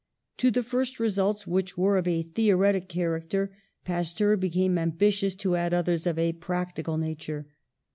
To the first results, which were of a theoretic character, Pasteur became ambitious to add others of a practical nature.